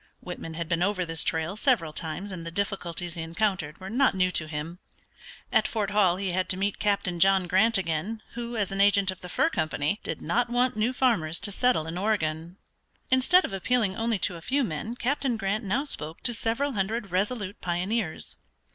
Whitman had been over this trail several times and the difficulties he encountered were not new to him. At Fort Hall he had to meet Captain John Grant again, who, as an agent of the Fur Company, did not want new farmers to settle in Oregon. [Illustration: THE LAST SIX HUNDRED MILES WERE THE HARDEST] Instead of appealing only to a few men Captain Grant now spoke to several hundred resolute pioneers.